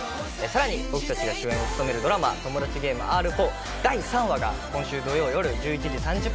さらに僕たちが主演を務めるドラマ『トモダチゲームＲ４』第３話が今週土曜よる１１時３０分から放送です。